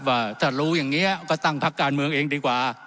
ว่าถ้ารู้อย่างนี้ก็ตั้งพักการเมืองเองดีกว่า